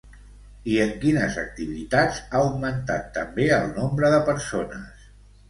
I en quines activitats ha augmentat també el nombre de persones?